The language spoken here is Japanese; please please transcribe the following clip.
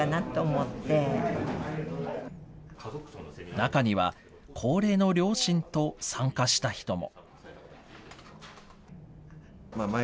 中には、高齢の両親と参加した人も。